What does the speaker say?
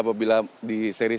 apabila di sektor sektor ini